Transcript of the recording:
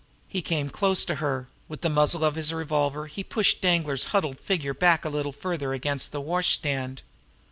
He came close to her and with the muzzle of his revolver he pushed Danglar's huddled figure back a little further against the washstand.